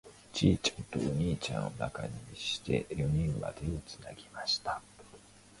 ちいちゃんとお兄ちゃんを中にして、四人は手をつなぎました。